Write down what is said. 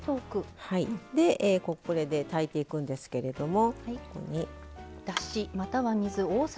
これで炊いていくんですけれども。